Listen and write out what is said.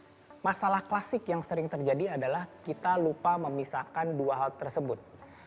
nah masalah klasik yang sering terjadi adalah kita lupa memisahkan dua hal tersebut